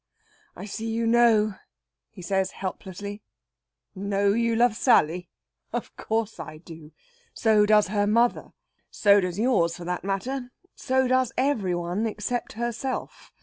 "I see you know," he says helplessly. "Know you love Sally? of course I do! So does her mother. So does yours, for that matter. So does every one, except herself.